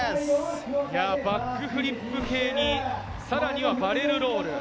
バックフリップ系に、さらにはバレルロール。